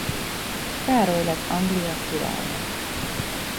Károly lett Anglia királya.